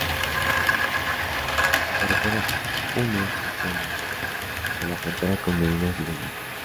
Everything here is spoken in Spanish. La carretera une Chiclana de la Frontera con Medina Sidonia.